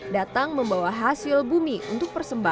datang membawa hasil bumi untuk persembahan